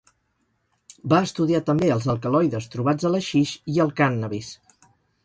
Va estudiar també els alcaloides trobats a l'haixix i al cànnabis.